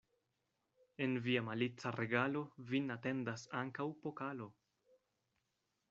En via malica regalo vin atendas ankaŭ pokalo.